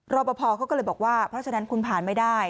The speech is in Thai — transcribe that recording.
รอปภเขาก็เลยบอกว่าเพราะฉะนั้นคุณผ่านไม่ได้